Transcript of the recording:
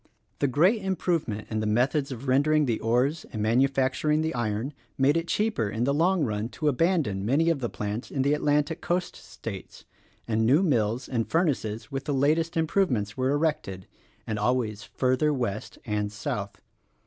The great improvement in the methods of rendering the ores and manufacturing the iron made it cheaper in the long run to abandon many of the plants in the Atlantic coast states, and new mills and furnaces with the latest improvements were erected — and always further West and South.